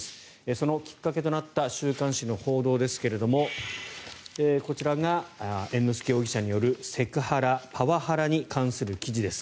そのきっかけとなった週刊誌の報道ですがこちらが猿之助容疑者によるセクハラ、パワハラに関する記事です。